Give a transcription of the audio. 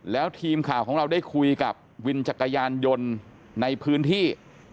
แล้วทีมข่าวของเราได้คุยกับวินจักรยานยนต์ในพื้นที่